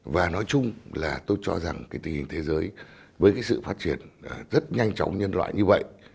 và nói chung là tôi cho rằng cái tình hình thế giới với cái sự phát triển rất nhanh chóng nhân loại như vậy